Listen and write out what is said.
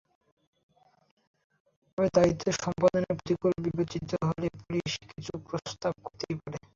তবে দায়িত্ব সম্পাদনে প্রতিকূল বিবেচিত হলে পুলিশ কিছু প্রস্তাব করতেই পারে।